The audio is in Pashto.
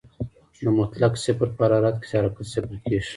د مطلق صفر په حرارت کې حرکت صفر کېږي.